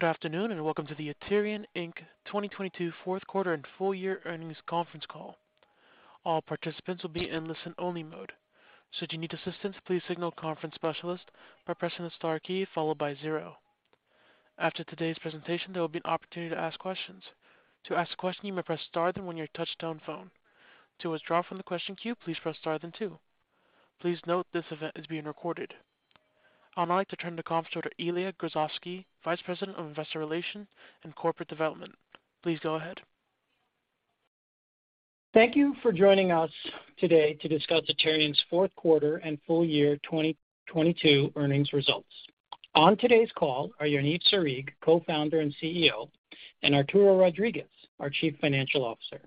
Good afternoon, and welcome to the Aterian Inc. 2022 fourth quarter and full-year earnings conference call. All participants will be in listen only mode. Should you need assistance, please signal conference specialist by pressing the star key followed by zero. After today's presentation, there will be an opportunity to ask questions. To ask a question, you may press star then one your touch tone phone. To withdraw from the question queue, please press star then two. Please note this event is being recorded. I'd now like to turn the conference over to Ilya Grozovsky, Vice President of Investor Relations & Corporate Development. Please go ahead. Thank you for joining us today to discuss Aterian's fourth quarter and full-year 2022 earnings results. On today's call are Yaniv Sarig, Co-founder and CEO, and Arturo Rodriguez, our Chief Financial Officer.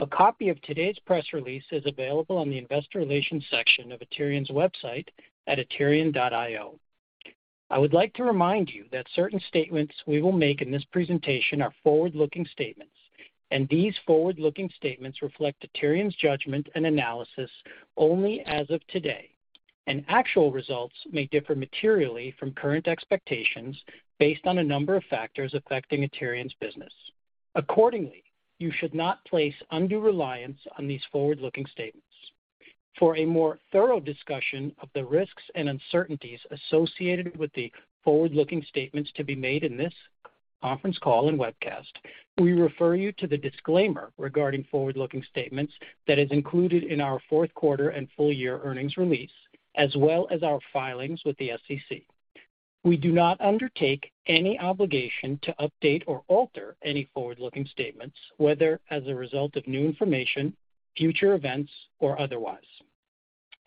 A copy of today's press release is available on the investor relations section of Aterian's website at aterian.io. I would like to remind you that certain statements we will make in this presentation are forward-looking statements, and these forward-looking statements reflect Aterian's judgment and analysis only as of today, and actual results may differ materially from current expectations based on a number of factors affecting Aterian's business. Accordingly, you should not place undue reliance on these forward-looking statements. For a more thorough discussion of the risks and uncertainties associated with the forward-looking statements to be made in this conference call and webcast, we refer you to the disclaimer regarding forward-looking statements that is included in our fourth quarter and full-year earnings release, as well as our filings with the SEC. We do not undertake any obligation to update or alter any forward-looking statements, whether as a result of new information, future events or otherwise.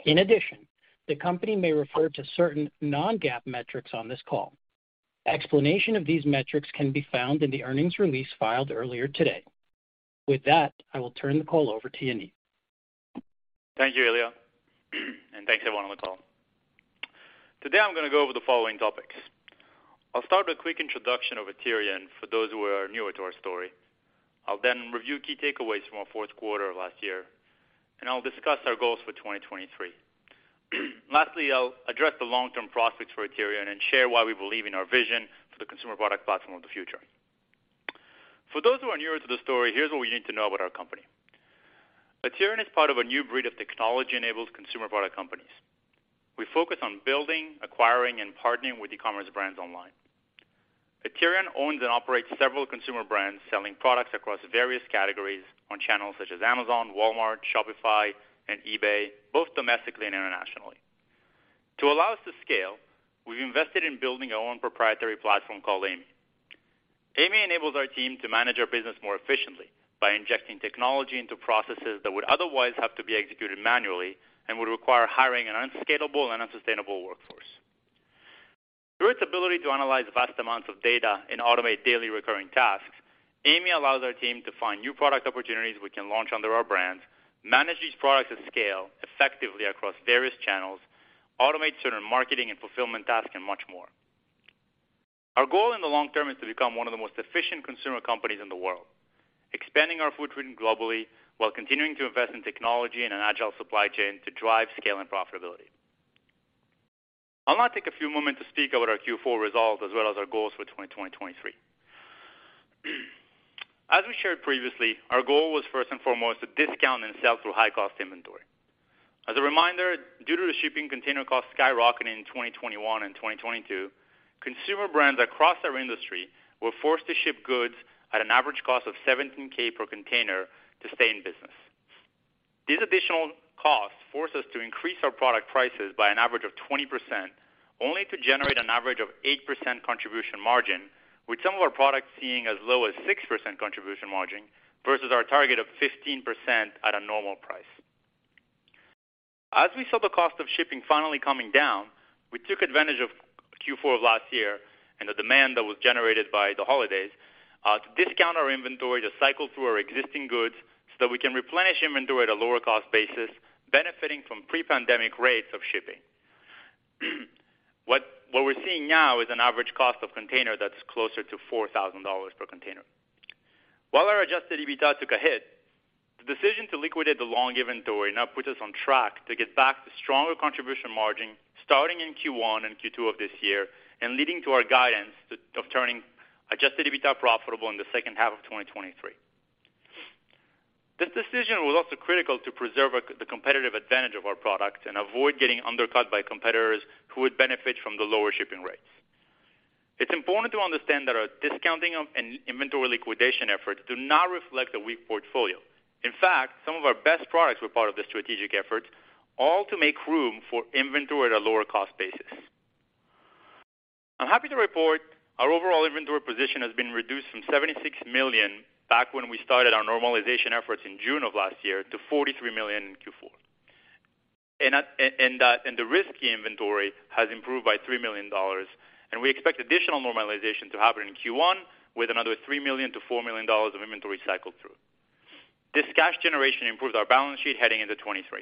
In addition, the company may refer to certain non-GAAP metrics on this call. Explanation of these metrics can be found in the earnings release filed earlier today. With that, I will turn the call over to Yaniv. Thank you, Ilya, and thanks everyone on the call. Today I'm gonna go over the following topics. I'll start with a quick introduction of Aterian for those who are newer to our story. I'll review key takeaways from our fourth quarter of last year, and I'll discuss our goals for 2023. Lastly, I'll address the long-term prospects for Aterian and share why we believe in our vision for the consumer product platform of the future. For those who are newer to the story, here's what you need to know about our company. Aterian is part of a new breed of technology-enabled consumer product companies. We focus on building, acquiring, and partnering with e-commerce brands online. Aterian owns and operates several consumer brands selling products across various categories on channels such as Amazon, Walmart, Shopify, and eBay, both domestically and internationally. To allow us to scale, we've invested in building our own proprietary platform called AIMEE. AIMEE enables our team to manage our business more efficiently by injecting technology into processes that would otherwise have to be executed manually and would require hiring an unscalable and unsustainable workforce. Through its ability to analyze vast amounts of data and automate daily recurring tasks, AIMEE allows our team to find new product opportunities we can launch under our brands, manage these products at scale effectively across various channels, automate certain marketing and fulfillment tasks, and much more. Our goal in the long term is to become one of the most efficient consumer companies in the world, expanding our footprint globally while continuing to invest in technology and an agile supply chain to drive scale and profitability. I'll now take a few moments to speak about our Q4 results as well as our goals for 2023. As we shared previously, our goal was first and foremost to discount and sell through high-cost inventory. As a reminder, due to the shipping container cost skyrocketing in 2021 and 2022, consumer brands across our industry were forced to ship goods at an average cost of $17,000 per container to stay in business. These additional costs forced us to increase our product prices by an average of 20%, only to generate an average of 8% contribution margin, with some of our products seeing as low as 6% contribution margin versus our target of 15% at a normal price. As we saw the cost of shipping finally coming down, we took advantage of Q4 of last year and the demand that was generated by the holidays, to discount our inventory to cycle through our existing goods, so that we can replenish inventory at a lower cost basis benefiting from pre-pandemic rates of shipping. We're seeing now is an average cost of container that's closer to $4,000 per container. While our adjusted EBITDA took a hit, the decision to liquidate the long inventory now puts us on track to get back to stronger contribution margin starting in Q1 and Q2 of this year, and leading to our guidance of turning adjusted EBITDA profitable in the second half of 2023. This decision was also critical to preserve the competitive advantage of our product and avoid getting undercut by competitors who would benefit from the lower shipping rates. It's important to understand that our discounting of an inventory liquidation efforts do not reflect a weak portfolio. In fact, some of our best products were part of the strategic effort, all to make room for inventory at a lower cost basis. I'm happy to report our overall inventory position has been reduced from $76 million back when we started our normalization efforts in June of last year to $43 million in Q4. The risky inventory has improved by $3 million, and we expect additional normalization to happen in Q1 with another $3 million-$4 million of inventory cycled through. This cash generation improved our balance sheet heading into 2023.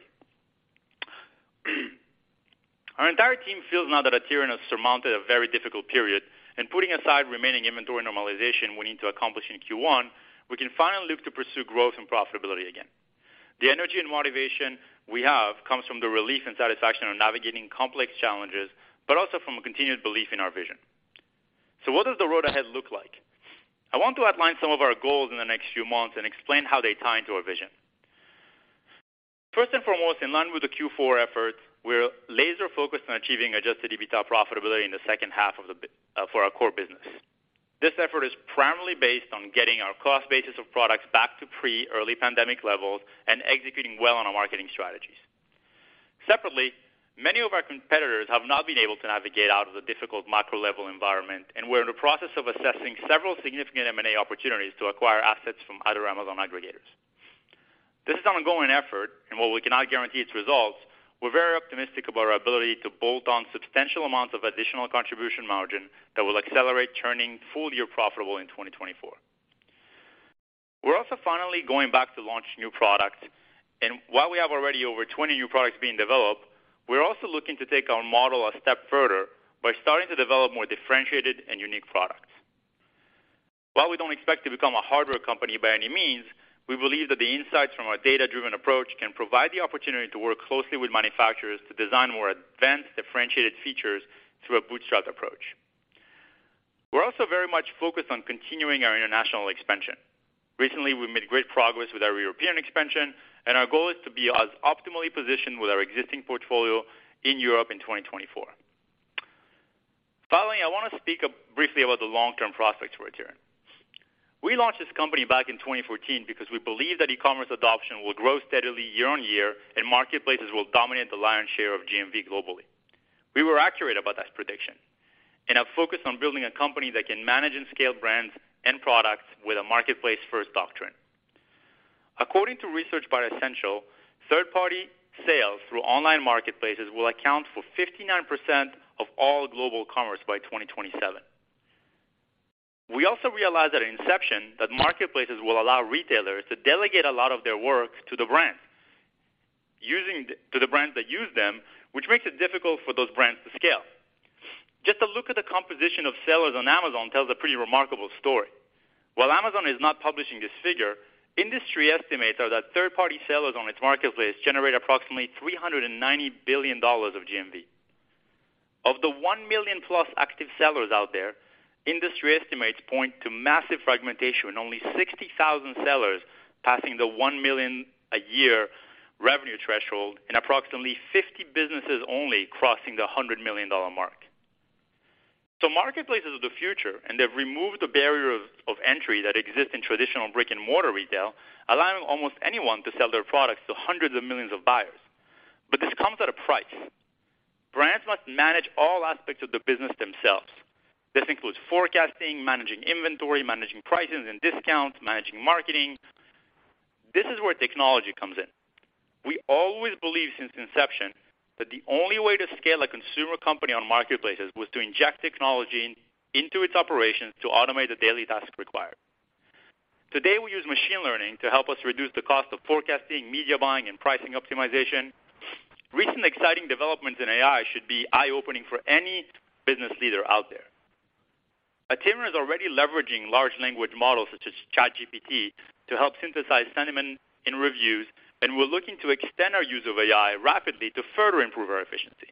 Our entire team feels now that Aterian has surmounted a very difficult period, and putting aside remaining inventory normalization we need to accomplish in Q1, we can finally look to pursue growth and profitability again. The energy and motivation we have comes from the relief and satisfaction of navigating complex challenges, but also from a continued belief in our vision. What does the road ahead look like? I want to outline some of our goals in the next few months and explain how they tie into our vision. First and foremost, in line with the Q4 effort, we're laser focused on achieving adjusted EBITDA profitability in the second half for our core business. This effort is primarily based on getting our cost basis of products back to pre-early pandemic levels and executing well on our marketing strategies. Separately, many of our competitors have not been able to navigate out of the difficult macro level environment, and we're in the process of assessing several significant M&A opportunities to acquire assets from other Amazon aggregators. This is an ongoing effort, and while we cannot guarantee its results, we're very optimistic about our ability to bolt on substantial amounts of additional contribution margin that will accelerate turning full-year profitable in 2024. We're also finally going back to launch new products. While we have already over 20 new products being developed, we're also looking to take our model a step further by starting to develop more differentiated and unique products. While we don't expect to become a hardware company by any means, we believe that the insights from our data-driven approach can provide the opportunity to work closely with manufacturers to design more advanced, differentiated features through a bootstrap approach. We're also very much focused on continuing our international expansion. Recently, we made great progress with our European expansion, and our goal is to be as optimally positioned with our existing portfolio in Europe in 2024. Finally, I want to speak briefly about the long term prospects for Aterian. We launched this company back in 2014 because we believe that e-commerce adoption will grow steadily year-on-year and marketplaces will dominate the lion's share of GMV globally. We were accurate about that prediction and have focused on building a company that can manage and scale brands and products with a marketplace first doctrine. According to research bioessential, third-party sales through online marketplaces will account for 59% of all global commerce by 2027. We also realized at inception that marketplaces will allow retailers to delegate a lot of their work to the brands that use them, which makes it difficult for those brands to scale. Just a look at the composition of sellers on Amazon tells a pretty remarkable story. While Amazon is not publishing this figure, industry estimates are that third-party sellers on its marketplace generate approximately $390 billion of GMV. Of the one million-plus active sellers out there, industry estimates point to massive fragmentation, with only 60,000 sellers passing the $1 million a year revenue threshold and approximately 50 businesses only crossing the $100 million mark. Marketplaces are the future, and they've removed the barrier of entry that exists in traditional brick-and-mortar retail, allowing almost anyone to sell their products to hundreds of millions of buyers. This comes at a price. Brands must manage all aspects of the business themselves. This includes forecasting, managing inventory, managing prices and discounts, managing marketing. This is where technology comes in. We always believed since inception that the only way to scale a consumer company on marketplaces was to inject technology into its operations to automate the daily tasks required. Today, we use machine learning to help us reduce the cost of forecasting, media buying, and pricing optimization. Recent exciting developments in AI should be eye-opening for any business leader out there. Aterian is already leveraging large language models such as ChatGPT to help synthesize sentiment in reviews, and we're looking to extend our use of AI rapidly to further improve our efficiency.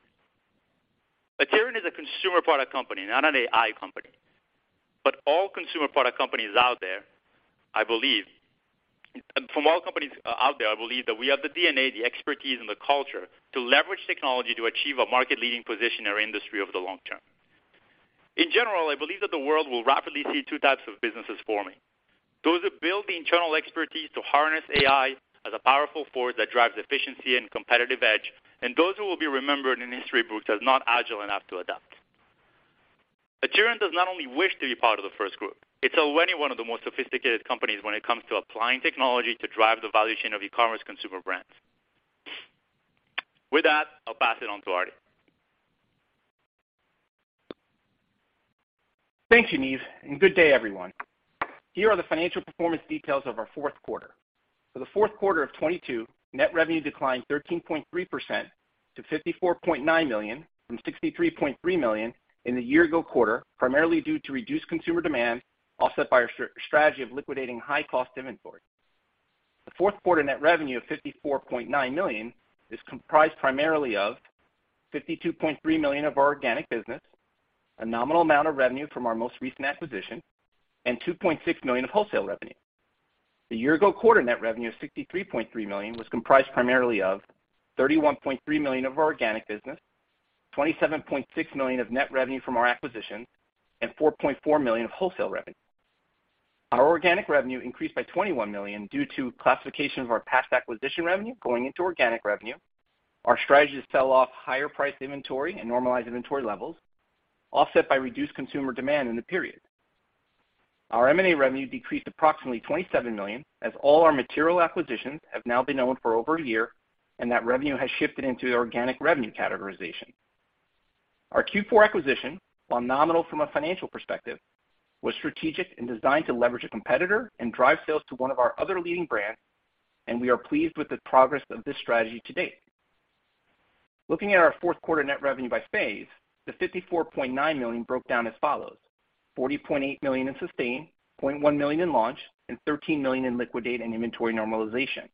Aterian is a consumer product company, not an AI company. All consumer product companies out there, from all companies out there, I believe that we have the DNA, the expertise, and the culture to leverage technology to achieve a market leading position in our industry over the long term. In general, I believe that the world will rapidly see two types of businesses forming, those that build the internal expertise to harness AI as a powerful force that drives efficiency and competitive edge, and those who will be remembered in history books as not agile enough to adapt. Aterian does not only wish to be part of the first group, it's already one of the most sophisticated companies when it comes to applying technology to drive the value chain of e-commerce consumer brands. With that, I'll pass it on to Arty. Thank you, Yaniv, and good day, everyone. Here are the financial performance details of our fourth quarter. For the fourth quarter of 2022, net revenue declined 13.3% to $54.9 million from $63.3 million in the year-ago quarter, primarily due to reduced consumer demand, offset by our strategy of liquidating high cost inventory. The fourth quarter net revenue of $54.9 million is comprised primarily of $52.3 million of our organic business, a nominal amount of revenue from our most recent acquisition, and $2.6 million of wholesale revenue. The year-ago quarter net revenue of $63.3 million was comprised primarily of $31.3 million of our organic business, $27.6 million of net revenue from our acquisition, and $4.4 million of wholesale revenue. Our organic revenue increased by $21 million due to classification of our past acquisition revenue going into organic revenue. Our strategy to sell off higher priced inventory and normalize inventory levels offset by reduced consumer demand in the period. Our M&A revenue decreased approximately $27 million, as all our material acquisitions have now been owned for over a year, and that revenue has shifted into the organic revenue categorization. Our Q4 acquisition, while nominal from a financial perspective, was strategic and designed to leverage a competitor and drive sales to one of our other leading brands, and we are pleased with the progress of this strategy to date. Looking at our fourth quarter net revenue by phase, the $54.9 million broke down as follows: $40.8 million in sustain, $0.1 million in launch and $13 million in liquidate and inventory normalization.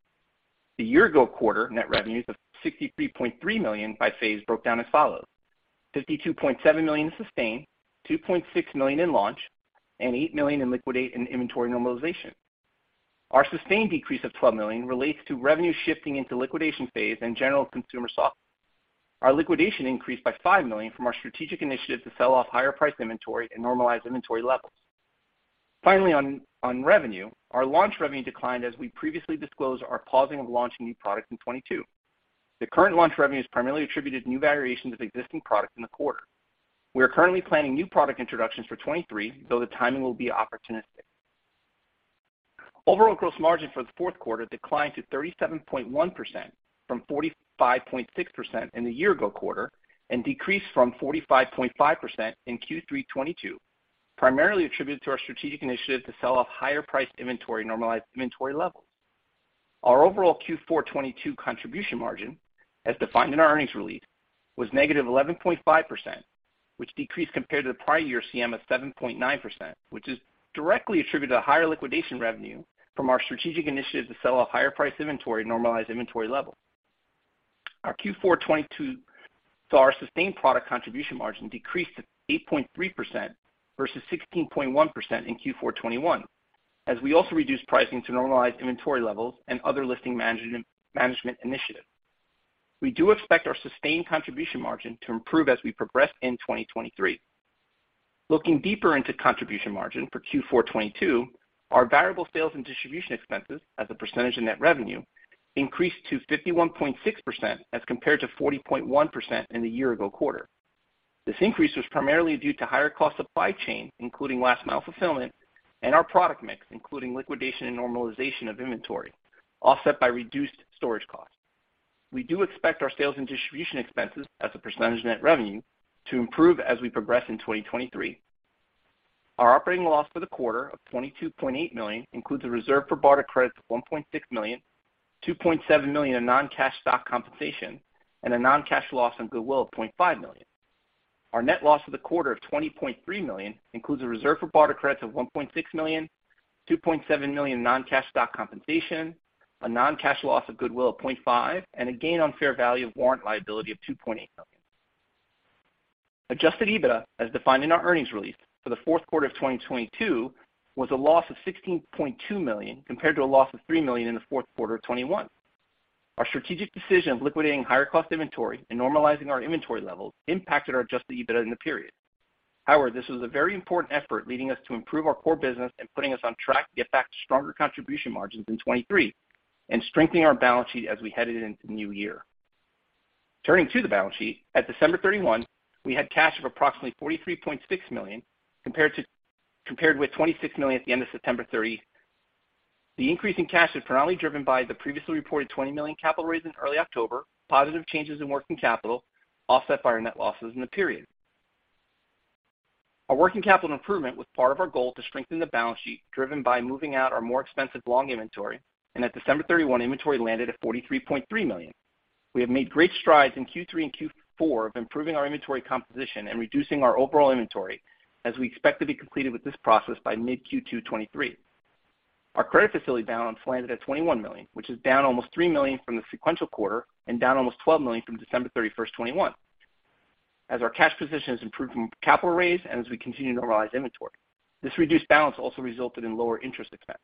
The year-ago quarter net revenues of $63.3 million by phase broke down as follows: $52.7 million in sustain, $2.6 million in launch, and $8 million in liquidate and inventory normalization. Our sustain decrease of $12 million relates to revenue shifting into liquidation phase and general consumer soft. Our liquidation increased by $5 million from our strategic initiative to sell off higher priced inventory and normalize inventory levels. Finally, on revenue, our launch revenue declined as we previously disclosed our pausing of launching new products in 2022. The current launch revenue is primarily attributed to new variations of existing products in the quarter. We are currently planning new product introductions for 2023, though the timing will be opportunistic. Overall gross margin for the fourth quarter declined to 37.1% from 45.6% in the year ago quarter, and decreased from 45.5% in Q3 2022, primarily attributed to our strategic initiative to sell off higher priced inventory and normalized inventory levels. Our overall Q4 2022 contribution margin, as defined in our earnings release, was -11.5%, which decreased compared to the prior year CM of 7.9%, which is directly attributed to higher liquidation revenue from our strategic initiative to sell a higher price inventory, normalize inventory level. Our Q4 2022 saw our sustained product contribution margin decreased to 8.3% versus 16.1% in Q4 2021, as we also reduced pricing to normalize inventory levels and other listing management initiative. We do expect our sustained contribution margin to improve as we progress in 2023. Looking deeper into contribution margin for Q4 2022, our variable sales and distribution expenses as a percentage of net revenue increased to 51.6% as compared to 40.1% in the year ago quarter. This increase was primarily due to higher cost supply chain, including last mile fulfillment and our product mix, including liquidation and normalization of inventory, offset by reduced storage costs. We do expect our sales and distribution expenses as a percentage of net revenue to improve as we progress in 2023. Our operating loss for the quarter of $22.8 million includes a reserve for barter credits of $1.6 million, $2.7 million in non-cash stock compensation, and a non-cash loss on goodwill of $0.5 million. Our net loss for the quarter of $20.3 million includes a reserve for barter credits of $1.6 million, $2.7 million non-cash stock compensation, a non-cash loss of goodwill of $0.5 million, and a gain on fair value of warrant liability of $2.8 million. Adjusted EBITDA, as defined in our earnings release for the fourth quarter of 2022, was a loss of $16.2 million, compared to a loss of $3 million in the fourth quarter of 2021. Our strategic decision of liquidating higher cost inventory and normalizing our inventory levels impacted our Adjusted EBITDA in the period. This was a very important effort, leading us to improve our core business and putting us on track to get back to stronger contribution margins in 2023 and strengthening our balance sheet as we headed into the new year. Turning to the balance sheet, at December 31, we had cash of approximately $43.6 million, compared with $26 million at the end of September 30. The increase in cash was primarily driven by the previously reported $20 million capital raise in early October, positive changes in working capital offset by our net losses in the period. Our working capital improvement was part of our goal to strengthen the balance sheet, driven by moving out our more expensive long inventory, and at December 31, inventory landed at $43.3 million. We have made great strides in Q3 and Q4 of improving our inventory composition and reducing our overall inventory as we expect to be completed with this process by mid Q2 2023. Our credit facility balance landed at $21 million, which is down almost $3 million from the sequential quarter and down almost $12 million from December 31, 2021. Our cash position has improved from capital raise and as we continue to normalize inventory. This reduced balance also resulted in lower interest expense.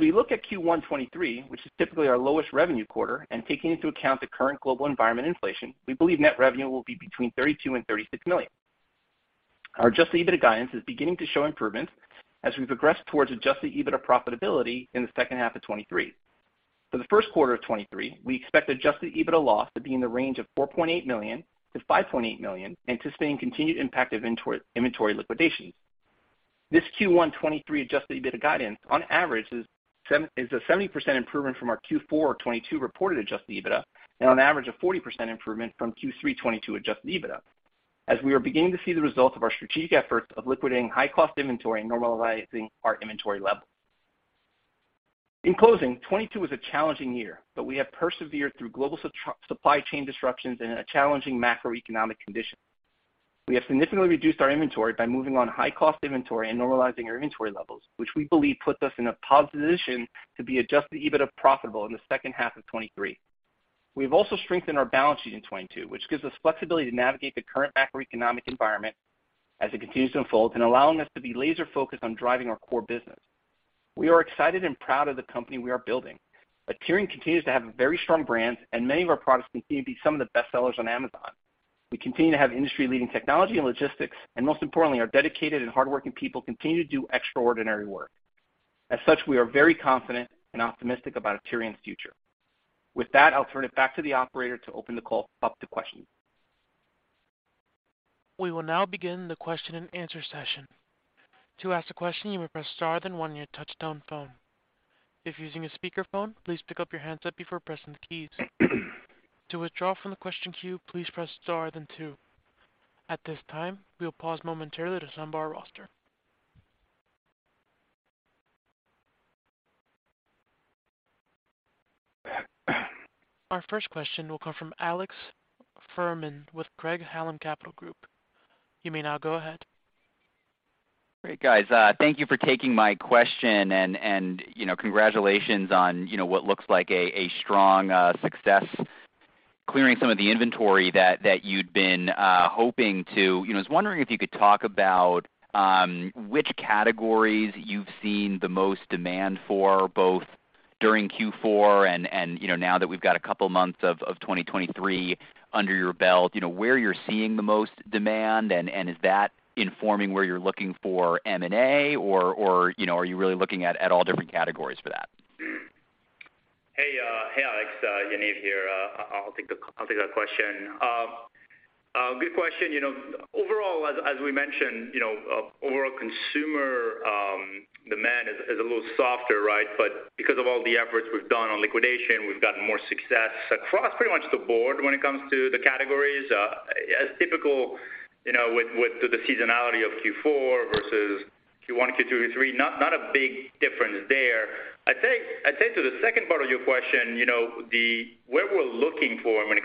We look at Q1 2023, which is typically our lowest revenue quarter, and taking into account the current global environment inflation, we believe net revenue will be between $32 million and $36 million. Our adjusted EBITDA guidance is beginning to show improvement as we progress towards adjusted EBITDA profitability in the second half of 2023. For the first quarter of 2023, we expect adjusted EBITDA loss to be in the range of $4.8 million to $5.8 million, anticipating continued impact of inventory liquidations. This Q1 2023 adjusted EBITDA guidance on average is a 70% improvement from our Q4 2022 reported adjusted EBITDA and on average, a 40% improvement from Q3 2022 adjusted EBITDA as we are beginning to see the results of our strategic efforts of liquidating high cost inventory and normalizing our inventory levels. In closing, 2022 was a challenging year, but we have persevered through global supply chain disruptions in a challenging macroeconomic condition. We have significantly reduced our inventory by moving on high cost inventory and normalizing our inventory levels, which we believe puts us in a positive position to be adjusted EBITDA profitable in the second half of 2023. We've also strengthened our balance sheet in 2022, which gives us flexibility to navigate the current macroeconomic environment as it continues to unfold and allowing us to be laser focused on driving our core business. We are excited and proud of the company we are building. Aterian continues to have very strong brands and many of our products continue to be some of the best sellers on Amazon. We continue to have industry leading technology and logistics and most importantly, our dedicated and hardworking people continue to do extraordinary work. As such, we are very confident and optimistic about Aterian's future. With that, I'll turn it back to the operator to open the call up to questions. We will now begin the question and answer session. To ask a question, you may press star, then one on your touchtone phone. If using a speakerphone, please pick up your handset before pressing the keys. To withdraw from the question queue, please press star then two. At this time, we'll pause momentarily to assemble our roster. Our first question will come from Alex Fuhrman with Craig-Hallum Capital Group. You may now go ahead. Great, guys. Thank you for taking my question and, you know, congratulations on, you know, what looks like a strong success clearing some of the inventory that you'd been hoping to. You know, I was wondering if you could talk about which categories you've seen the most demand for, both during Q4 and now that we've got a couple months of 2023 under your belt. You know, where you're seeing the most demand, is that informing where you're looking for M&A or are you really looking at all different categories for that? Hey, hey, Alex. Yaniv here. I'll take that question. Good question. You know, overall as we mentioned, you know, overall consumer demand is a little softer, right? Because of all the efforts we've done on liquidation, we've gotten more success across pretty much the board when it comes to the categories. As typical, you know, with the seasonality of Q4 versus Q1, Q2, Q3, not a big difference there. I'd say to the second part of your question, you know, where we're looking for when it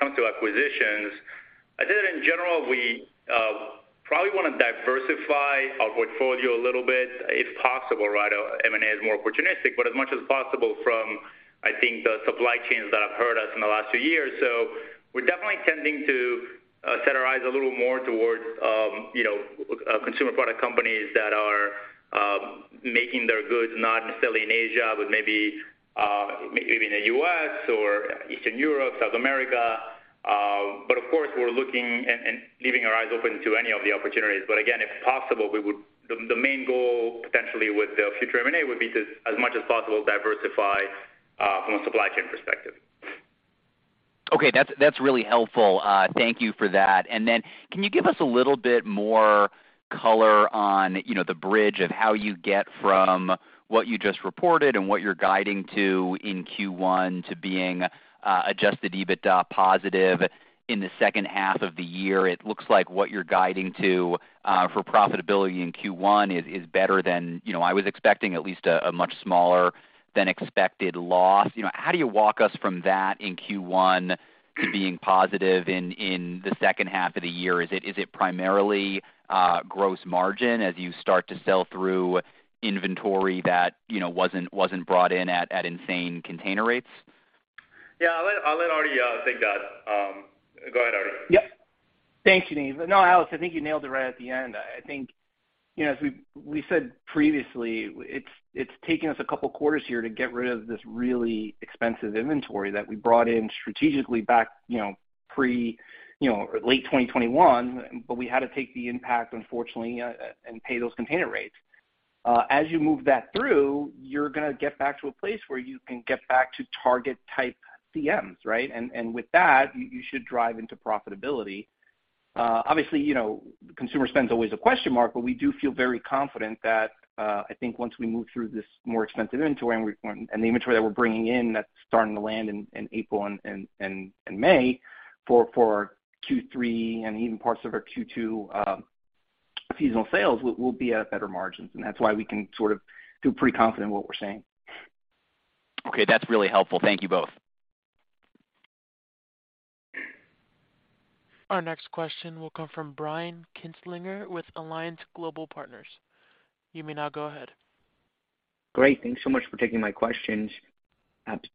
comes to acquisitions, I'd say that in general we probably wanna diversify our portfolio a little bit if possible, right? M&A is more opportunistic, but as much as possible from, I think, the supply chains that have hurt us in the last two years. We're definitely tending to set our eyes a little more towards consumer product companies that are making their goods not necessarily in Asia, but maybe in the U.S. or Eastern Europe, South America. Of course we're looking and leaving our eyes open to any of the opportunities. Again, if possible, the main goal potentially with the future M&A would be to, as much as possible, diversify from a supply chain perspective. Okay. That's, that's really helpful. Thank you for that. Can you give us a little bit more color on, you know, the bridge of how you get from what you just reported and what you're guiding to in Q1 to being adjusted EBITDA positive in the second half of the year? It looks like what you're guiding to for profitability in Q1 is better than, You know, I was expecting at least a much smaller than expected loss. You know, how do you walk us from that in Q1 to being positive in the second half of the year? Is it primarily gross margin as you start to sell through inventory that, you know, wasn't brought in at insane container rates? Yeah. I'll let, I'll let Arty, take that. Go ahead, Arty. Yep. Thank you, Yaniv. No, Alex, I think you nailed it right at the end. I think, you know, as we said previously, it's taken us a couple quarters here to get rid of this really expensive inventory that we brought in strategically back, you know, pre, you know, late 2021. We had to take the impact unfortunately, and pay those container rates. As you move that through, you're gonna get back to a place where you can get back to target type CMs, right? With that, you should drive into profitability. Obviously, you know, consumer spend's always a question mark, but we do feel very confident that I think once we move through this more expensive inventory and the inventory that we're bringing in that's starting to land in April and May for our Q3 and even parts of our Q2, seasonal sales, we'll be at better margins. That's why we can sort of feel pretty confident in what we're saying. Okay, that's really helpful. Thank you both. Our next question will come from Brian Kinstlinger with Alliance Global Partners. You may now go ahead. Great. Thanks so much for taking my questions.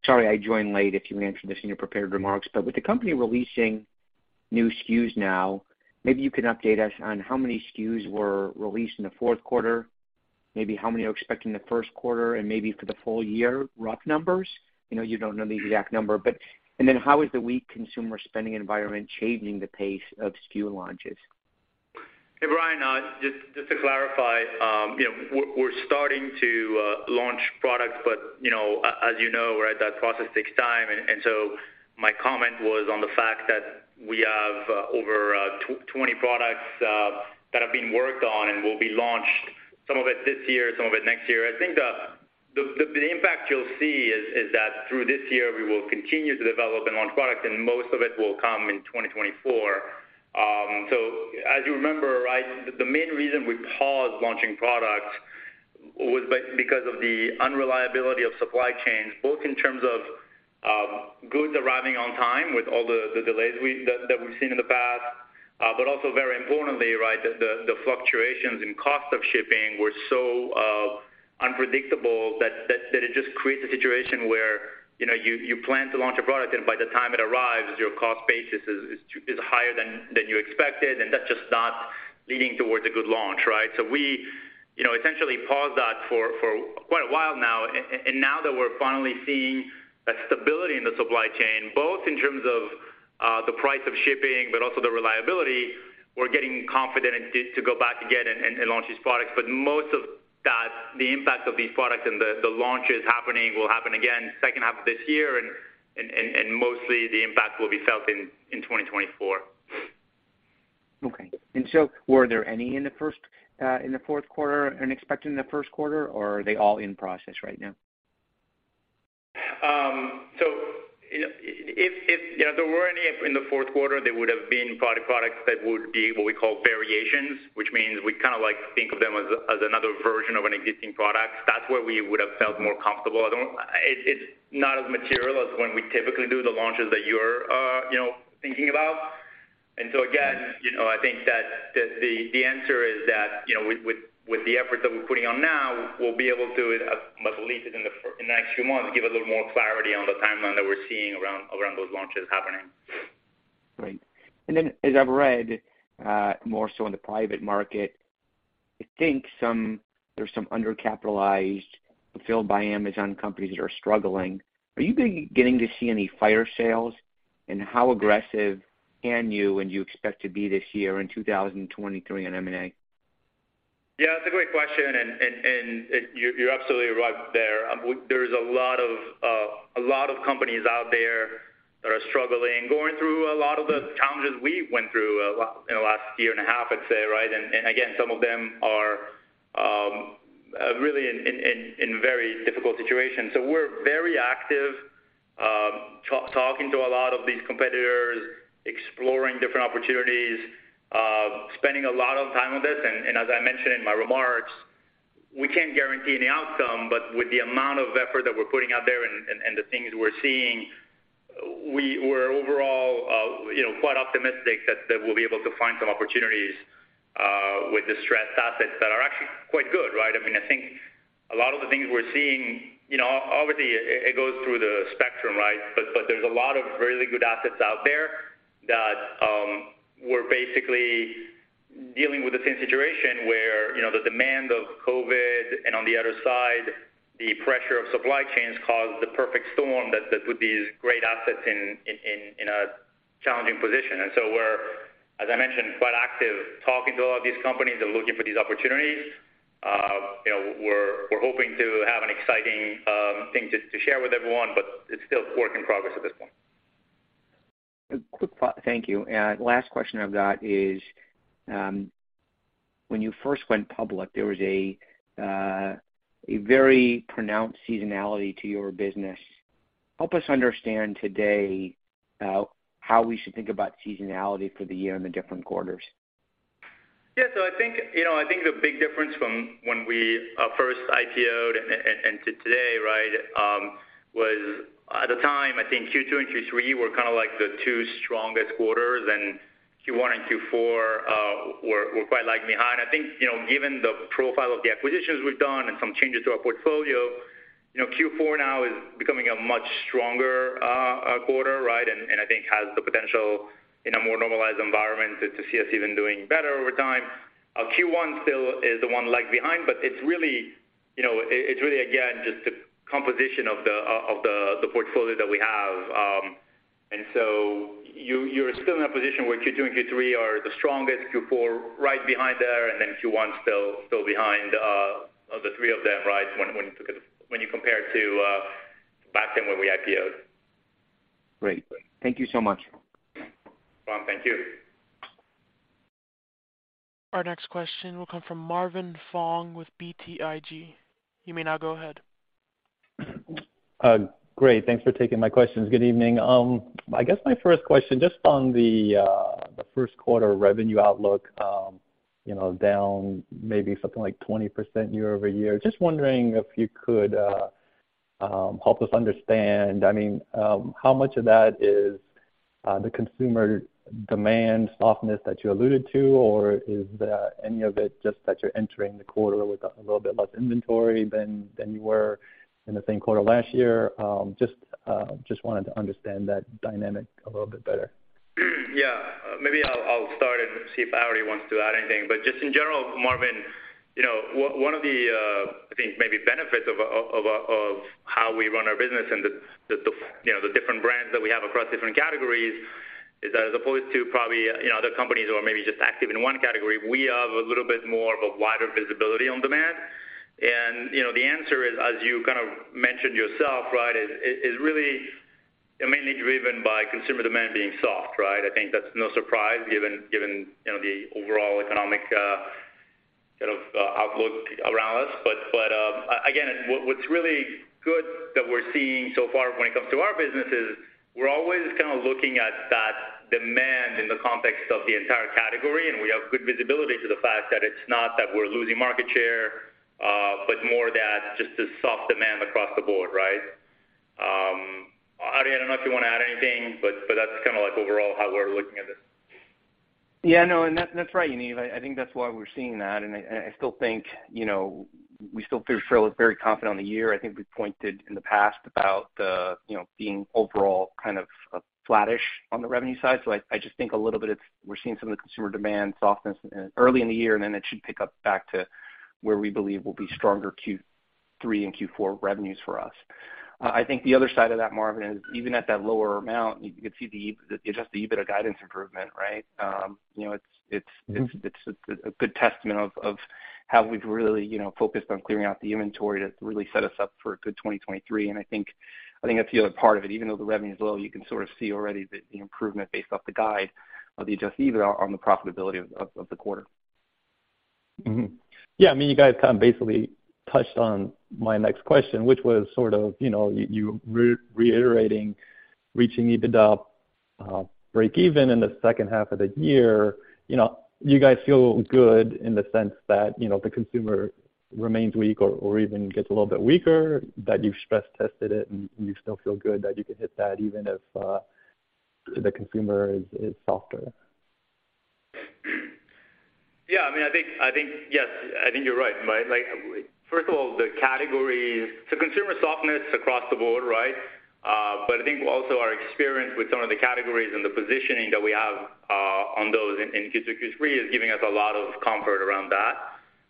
Sorry I joined late if you answered this in your prepared remarks, but with the company releasing new SKUs now, maybe you can update us on how many SKUs were released in the fourth quarter, maybe how many you're expecting in the first quarter and maybe for the full-year, rough numbers. I know you don't know the exact number. How is the weak consumer spending environment changing the pace of SKU launches? Hey, Brian. Just to clarify, you know, we're starting to launch products, but, you know, as you know, right, that process takes time. My comment was on the fact that we have over 20 products that have been worked on and will be launched some of it this year, some of it next year. I think the impact you'll see is that through this year we will continue to develop and launch products, and most of it will come in 2024. As you remember, right, the main reason we paused launching products was because of the unreliability of supply chains, both in terms of goods arriving on time with all the delays that we've seen in the past, but also very importantly, right, the fluctuations in cost of shipping were so unpredictable that it just creates a situation where, you know, you plan to launch a product and by the time it arrives your cost basis is higher than you expected, and that's just not leading towards a good launch, right. We, you know, essentially paused that for quite a while now. Now that we're finally seeing a stability in the supply chain, both in terms of the price of shipping but also the reliability, we're getting confident to go back again and launch these products. Most of that, the impact of these products and the launches happening will happen again second half of this year and mostly the impact will be felt in 2024. Okay. Were there any in the first, in the fourth quarter and expected in the first quarter, or are they all in process right now? You know, if, you know, there were any in the fourth quarter, they would have been pro-products that would be what we call variations, which means we kind of like think of them as another version of an existing product. That's where we would've felt more comfortable. I don't. It's not as material as when we typically do the launches that you're, you know, thinking about. Again, you know, I think that the answer is that, you know, with the efforts that we're putting on now, we'll be able to at least in the next few months, give a little more clarity on the timeline that we're seeing around those launches happening. Right. As I've read, more so in the private market, I think there's some undercapitalized fulfilled by Amazon companies that are struggling. Are you getting to see any fire sales, how aggressive can you expect to be this year in 2023 on M&A? Yeah, that's a great question, and you're absolutely right there. There is a lot of companies out there that are struggling, going through a lot of the challenges we went through in the last year and a half, I'd say, right? Again, some of them are really in very difficult situations. We're very active, talking to a lot of these competitors, exploring different opportunities, spending a lot of time on this. As I mentioned in my remarks, we can't guarantee any outcome, but with the amount of effort that we're putting out there and the things we're seeing, we're overall, you know, quite optimistic that we'll be able to find some opportunities with the stressed assets that are actually quite good, right? I mean, I think a lot of the things we're seeing, you know, obviously it goes through the spectrum, right? There's a lot of really good assets out there that were basically dealing with the same situation where, you know, the demand of COVID and on the other side, the pressure of supply chains caused the perfect storm that put these great assets in a challenging position. We're, as I mentioned, quite active talking to a lot of these companies and looking for these opportunities. You know, we're hoping to have an exciting thing to share with everyone, but it's still work in progress at this point. A quick thank you. Last question I've got is, when you first went public, there was a very pronounced seasonality to your business. Help us understand today, how we should think about seasonality for the year and the different quarters? Yeah. I think, you know, I think the big difference from when we first IPO-ed and to today, right, was at the time, I think Q2 and Q3 were kind of like the two strongest quarters, and Q1 and Q4 were quite lag behind. I think, you know, given the profile of the acquisitions we've done and some changes to our portfolio, you know, Q4 now is becoming a much stronger quarter, right, and I think has the potential in a more normalized environment to see us even doing better over time. Q1 still is the one lag behind, but it's really, you know, it's really again, just the composition of the portfolio that we have. You're still in a position where Q2 and Q3 are the strongest, Q4 right behind there, and then Q1 still behind the three of them, right? When you compare to back then when we IPO-ed. Great. Thank you so much. Brian, thank you. Our next question will come from Marvin Fong with BTIG. You may now go ahead. Great. Thanks for taking my questions. Good evening. I guess my first question, just on the first quarter revenue outlook, you know, down maybe something like 20% year-over-year. Just wondering if you could help us understand, I mean, how much of that is the consumer demand softness that you alluded to? Or is any of it just that you're entering the quarter with a little bit less inventory than you were in the same quarter last year? Just wanted to understand that dynamic a little bit better. Yeah. Maybe I'll start and see if Arty wants to add anything. Just in general, Marvin, you know, one of the, I think maybe benefits of how we run our business and the, you know, the different brands that we have across different categories is that as opposed to probably, you know, other companies who are maybe just active in one category, we have a little bit more of a wider visibility on demand. You know, the answer is, as you kind of mentioned yourself, right, is really mainly driven by consumer demand being soft, right? I think that's no surprise given, you know, the overall economic, sort of, outlook around us. Again, what's really good that we're seeing so far when it comes to our business is we're always kind of looking at that demand in the context of the entire category, and we have good visibility to the fact that it's not that we're losing market share, but more that just the soft demand across the board, right? Arty, I don't know if you wanna add anything, but that's kind of like overall how we're looking at this. Yeah, no, and that's right, Yaniv. I think that's why we're seeing that, and I still think, you know, we still feel very confident on the year. I think we've pointed in the past about, you know, being overall kind of flattish on the revenue side. I just think a little bit of we're seeing some of the consumer demand softness, early in the year, and then it should pick up back to where we believe will be stronger Q3 and Q4 revenues for us. I think the other side of that, Marvin, is even at that lower amount, you could see the adjusted EBITDA guidance improvement, right? You know, it's a good testament of how we've really, you know, focused on clearing out the inventory to really set us up for a good 2023. I think that's the other part of it. Even though the revenue is low, you can sort of see already the improvement based off the guide of the adjusted EBITDA on the profitability of the quarter. Mm-hmm. Yeah, I mean, you guys kind of basically touched on my next question, which was sort of, you know, you reiterating reaching EBITDA breakeven in the second half of the year. You know, do you guys feel good in the sense that, you know, the consumer remains weak or even gets a little bit weaker, that you've stress tested it and you still feel good that you can hit that even if the consumer is softer? I mean, I think, yes, I think you're right? Like, first of all, the categories... Consumer softness across the board, right? I think also our experience with some of the categories and the positioning that we have on those in Q3 is giving us a lot of comfort around that.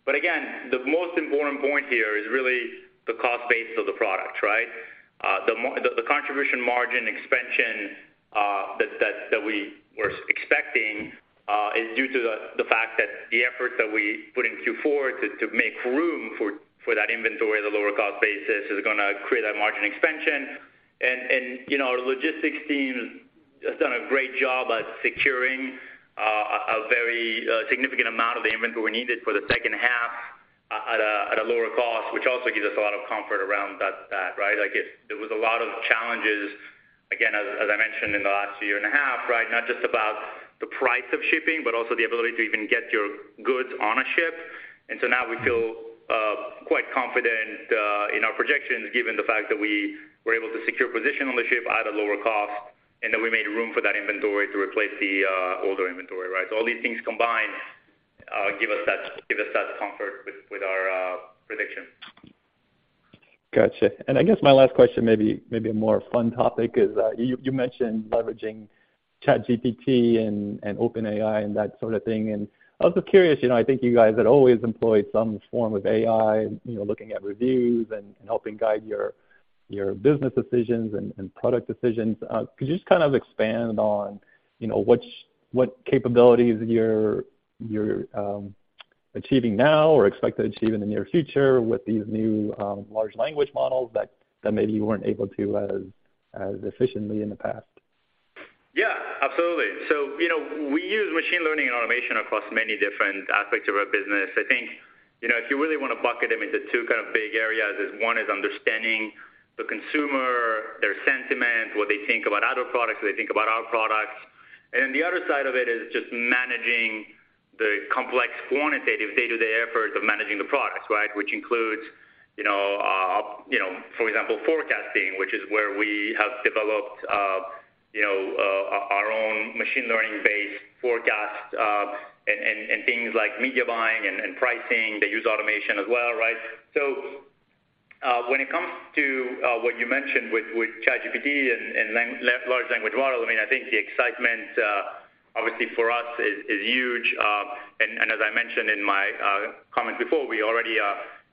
Again, the most important point here is really the cost base of the product, right? The contribution margin expansion that we were expecting is due to the fact that the efforts that we put in Q4 to make room for that inventory at a lower cost base is gonna create that margin expansion. you know, our logistics team has done a great job at securing a very significant amount of the inventory we needed for the second half at a lower cost, which also gives us a lot of comfort around that, right. Like there was a lot of challenges, again, as I mentioned in the last year and a half, right. Not just about the price of shipping, but also the ability to even get your goods on a ship. Now we feel quite confident in our projections given the fact that we were able to secure position on the ship at a lower cost, and then we made room for that inventory to replace the older inventory, right. All these things combined give us that, give us that comfort with our prediction. Gotcha. I guess my last question may be a more fun topic is, you mentioned leveraging ChatGPT and OpenAI and that sort of thing. I was just curious, you know, I think you guys had always employed some form of AI, you know, looking at reviews and helping guide your business decisions and product decisions. Could you just kind of expand on, you know, what capabilities you're achieving now or expect to achieve in the near future with these new large language models that maybe you weren't able to as efficiently in the past? Yeah, absolutely. You know, we use machine learning and automation across many different aspects of our business. I think, you know, if you really want to bucket them into two kind of big areas is one is understanding the consumer, their sentiment, what they think about other products, what they think about our products. The other side of it is just managing the complex quantitative day-to-day effort of managing the products, right? Which includes, you know, for example, forecasting, which is where we have developed, you know, our own machine learning-based forecast, and things like media buying and pricing that use automation as well, right? When it comes to what you mentioned with ChatGPT and large language model, I mean, I think the excitement obviously for us is huge. As I mentioned in my comments before, we already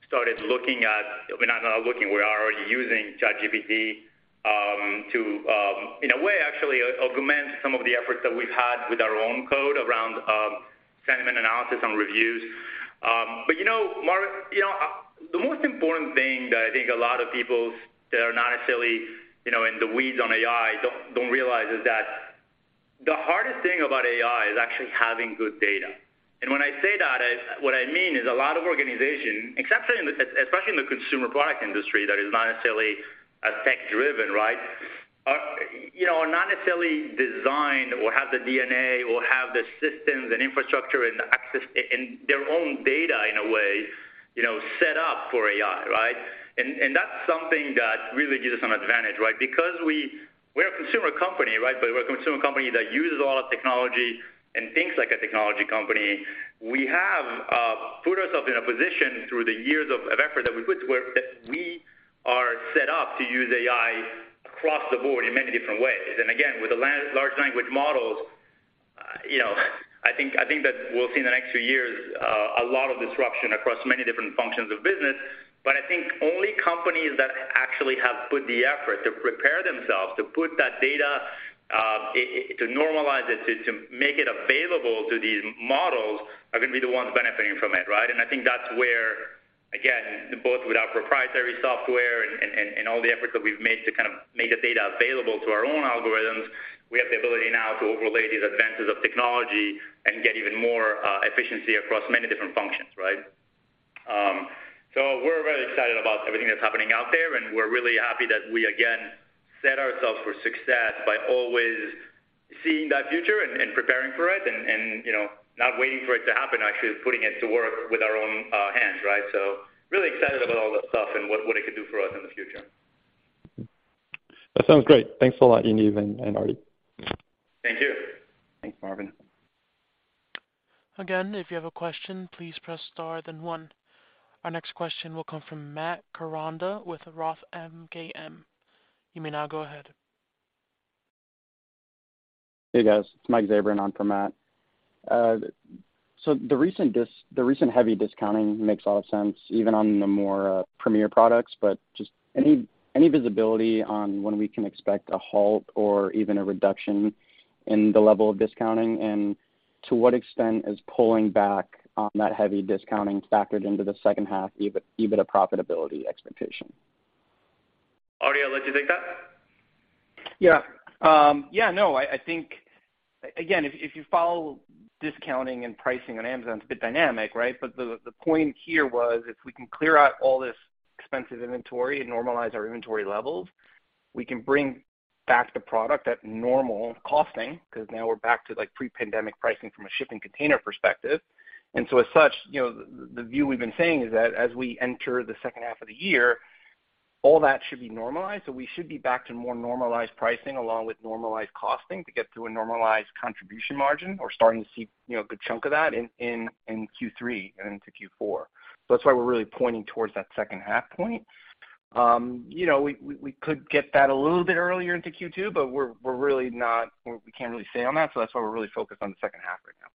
started looking at, I mean, not looking, we are already using ChatGPT to in a way actually augment some of the efforts that we've had with our own code around sentiment analysis on reviews. You know, Marv, you know, the most important thing that I think a lot of people that are not necessarily, you know, in the weeds on AI don't realize is that the hardest thing about AI is actually having good data. When I say that, what I mean is a lot of organizations, except especially in the consumer product industry that is not necessarily as tech-driven, right? Are not necessarily designed or have the DNA or have the systems and infrastructure and access and their own data in a way, set up for AI, right? That's something that really gives us an advantage, right? Because we're a consumer company, right? We're a consumer company that uses a lot of technology and thinks like a technology company. We have put ourselves in a position through the years of effort that we put to where, that we are set up to use AI across the board in many different ways. With the large language models, I think that we'll see in the next few years a lot of disruption across many different functions of business. I think only companies that actually have put the effort to prepare themselves to put that data, to normalize it, to make it available to these models are gonna be the ones benefiting from it, right? I think that's where, again, both with our proprietary software and all the efforts that we've made to kind of make the data available to our own algorithms, we have the ability now to overlay these advances of technology and get even more efficiency across many different functions, right? We're very excited about everything that's happening out there, and we're really happy that we again set ourselves for success by always seeing that future and preparing for it and, you know, not waiting for it to happen, actually putting it to work with our own hands, right? Really excited about all that stuff and what it could do for us in the future. That sounds great. Thanks a lot, Yaniv and Arty. Thank you. Thanks, Marvin. Again, if you have a question, please press star then one. Our next question will come from Matt Koranda with Roth MKM. You may now go ahead. Hey, guys. It's Mike Zabran on for Matt. The recent heavy discounting makes a lot of sense even on the more premier products, but just any visibility on when we can expect a halt or even a reduction in the level of discounting? To what extent is pulling back on that heavy discounting factored into the second half EBITDA profitability expectation? Arty, would you take that? Yeah, no, I think, again, if you follow discounting and pricing on Amazon, it's a bit dynamic, right? The, the point here was if we can clear out all this expensive inventory and normalize our inventory levels, we can bring back the product at normal costing because now we're back to, like, pre-pandemic pricing from a shipping container perspective. As such, you know, the view we've been saying is that as we enter the second half of the year, all that should be normalized. We should be back to more normalized pricing along with normalized costing to get to a normalized contribution margin. We're starting to see, you know, a good chunk of that in Q3 and into Q4. That's why we're really pointing towards that second half point. You know, we could get that a little bit earlier into Q2. We're really not. We can't really say on that. That's why we're really focused on the second half right now.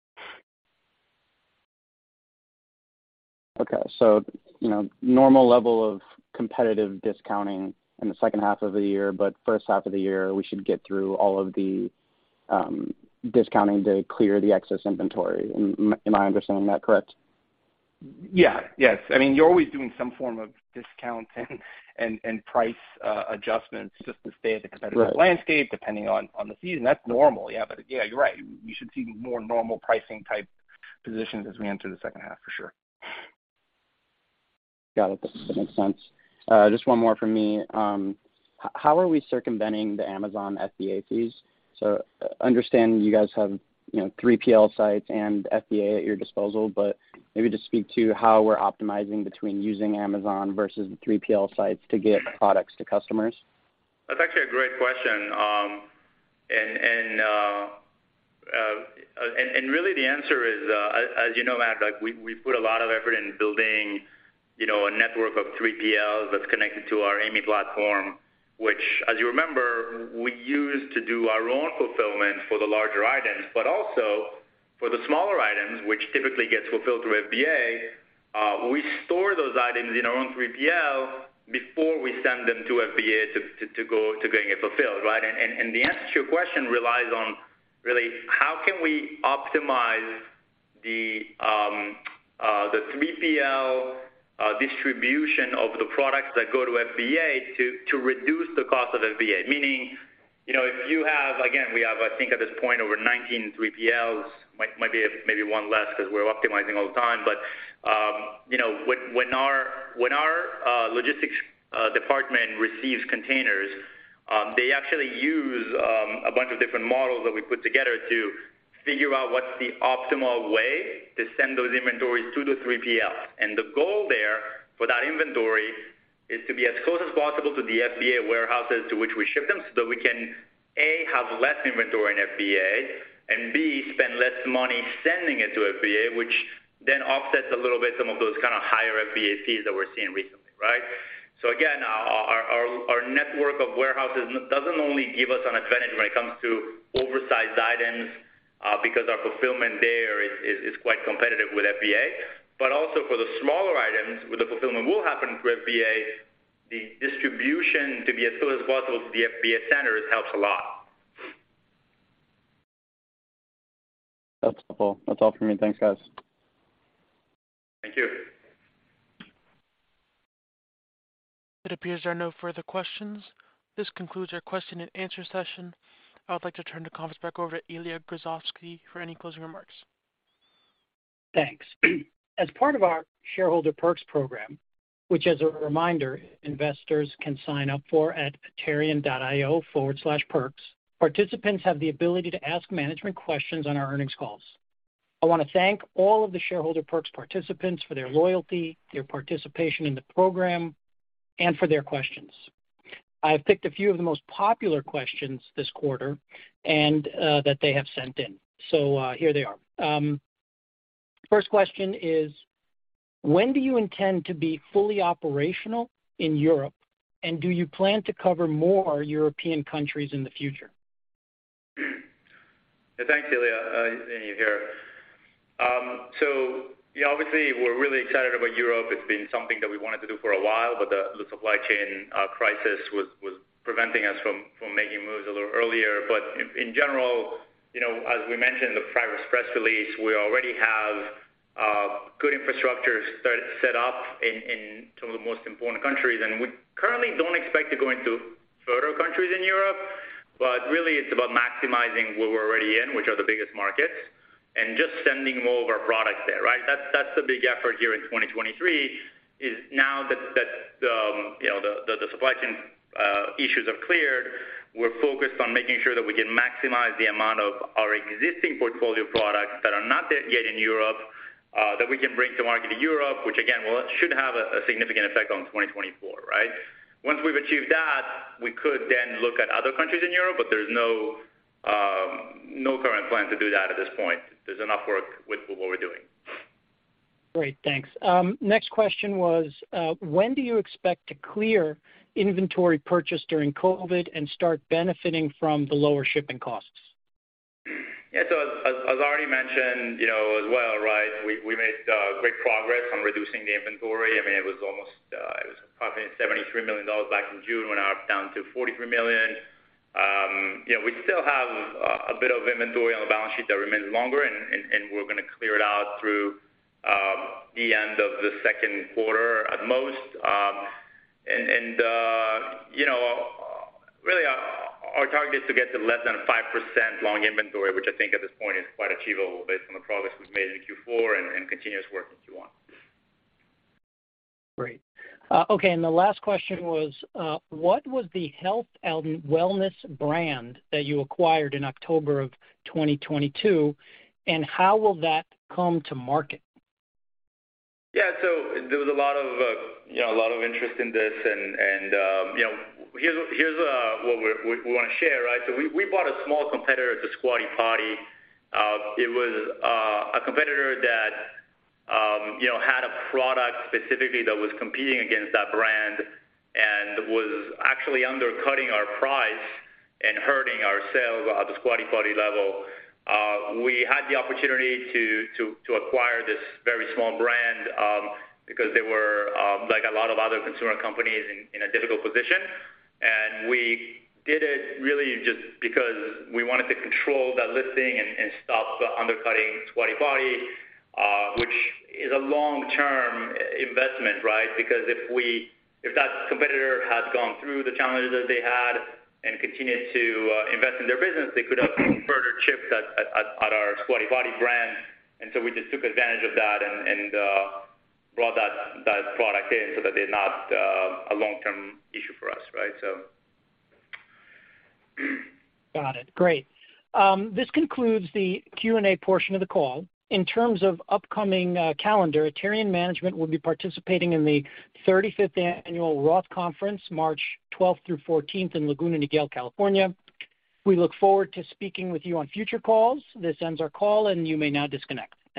You know, normal level of competitive discounting in the second half of the year, but first half of the year, we should get through all of the discounting to clear the excess inventory. Am I understanding that correct? Yeah. Yes. I mean, you're always doing some form of discounting and price adjustments just to stay at the competitive Right landscape, depending on the season. That's normal. Yeah, you're right. We should see more normal pricing type positions as we enter the second half for sure. Got it. That makes sense. Just one more from me. How are we circumventing the Amazon FBA fees? Understanding you guys have, you know, 3PL sites and FBA at your disposal, but maybe just speak to how we're optimizing between using Amazon versus the 3PL sites to get products to customers. That's actually a great question. Really the answer is, as you know, Matt, like, we put a lot of effort in building, you know, a network of 3PLs that's connected to our AIMEE platform, which, as you remember, we use to do our own fulfillment for the larger items. Also for the smaller items, which typically gets fulfilled through FBA, we store those items in our own 3PL before we send them to FBA to go to getting it fulfilled, right? The answer to your question relies on really how can we optimize the 3PL distribution of the products that go to FBA to reduce the cost of FBA. Meaning, you know, if you have, Again, we have, I think, at this point over 19 3PLs. Might be, maybe one less 'cause we're optimizing all the time. You know, when our logistics department receives containers, they actually use a bunch of different models that we put together to figure out what's the optimal way to send those inventories to the 3PL. The goal there for that inventory is to be as close as possible to the FBA warehouses to which we ship them so that we can, A, have less inventory in FBA, and B, spend less money sending it to FBA, which then offsets a little bit some of those kind of higher FBA fees that we're seeing recently, right? Again, our network of warehouses doesn't only give us an advantage when it comes to oversized items, because our fulfillment there is quite competitive with FBA. Also for the smaller items where the fulfillment will happen through FBA, the distribution to be as close as possible to the FBA centers helps a lot. That's helpful. That's all for me. Thanks, guys. Thank you. It appears there are no further questions. This concludes our question and answer session. I would like to turn the conference back over to Ilya Grozovsky for any closing remarks. Thanks. As part of our shareholder perks program, which as a reminder investors can sign up for at aterian.io/perks, participants have the ability to ask management questions on our earnings calls. I wanna thank all of the shareholder perks participants for their loyalty, their participation in the program, and for their questions. I've picked a few of the most popular questions this quarter and that they have sent in. Here they are. First question is, when do you intend to be fully operational in Europe, and do you plan to cover more European countries in the future? Yeah. Thanks, Ilya. Good seeing you here. Yeah, obviously, we're really excited about Europe. It's been something that we wanted to do for a while, but the supply chain crisis was preventing us from making moves a little earlier. In general, you know, as we mentioned in the prior press release, we already have good infrastructure set up in some of the most important countries, and we currently don't expect to go into further countries in Europe. Really, it's about maximizing where we're already in, which are the biggest markets, and just sending more of our products there, right? That's the big effort here in 2023, is now that, you know, the supply chain issues have cleared, we're focused on making sure that we can maximize the amount of our existing portfolio products that are not there yet in Europe, that we can bring to market in Europe, which again should have a significant effect on 2024, right? Once we've achieved that, we could then look at other countries in Europe. There's no current plan to do that at this point. There's enough work with what we're doing. Great. Thanks. Next question was, when do you expect to clear inventory purchased during COVID and start benefiting from the lower shipping costs? As already mentioned, you know, as well, right, we made great progress on reducing the inventory. I mean, it was almost approximately $73 million back in June. We're now down to $43 million. You know, we still have a bit of inventory on the balance sheet that remains longer, and we're gonna clear it out through the end of the second quarter at most. You know, really, our target is to get to less than 5% long inventory, which I think at this point is quite achievable based on the progress we've made in Q4 and continuous work in Q1. Great. Okay, the last question was, what was the health and wellness brand that you acquired in October of 2022, and how will that come to market? Yeah. There was a lot of, you know, a lot of interest in this and, you know, here's what we wanna share, right? We bought a small competitor to Squatty Potty. It was a competitor that, you know, had a product specifically that was competing against that brand and was actually undercutting our price and hurting our sales at the Squatty Potty level. We had the opportunity to acquire this very small brand because they were like a lot of other consumer companies in a difficult position. We did it really just because we wanted to control that listing and stop the undercutting Squatty Potty, which is a long-term investment, right? If that competitor had gone through the challenges that they had and continued to invest in their business, they could have further chipped at our Squatty Potty brand. We just took advantage of that and brought that product in so that they're not a long-term issue for us, right? Got it. Great. This concludes the Q&A portion of the call. In terms of upcoming calendar, Aterian management will be participating in the 35th Annual Roth Conference, March 12th through 14th in Laguna Niguel, California. We look forward to speaking with you on future calls. This ends our call, and you may now disconnect. Thank you.